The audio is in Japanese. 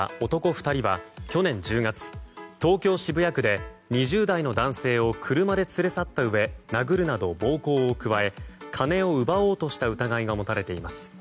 ２人は去年１０月、東京・渋谷区で２０代男性を車で連れ去ったうえ殴るなど暴行を加え金を奪おうとした疑いが持たれています。